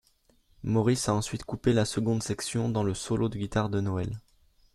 Morris a ensuite coupé la seconde section dans le solo de guitare de Noel.